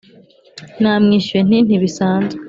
namwishuye nti: 'ntibisanzwe.'